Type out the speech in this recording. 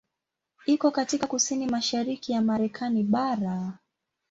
Iko katika kusini mashariki ya Marekani bara.